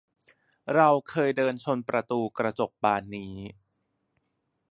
เราเคยเดินชนประตูกระจกบานนี้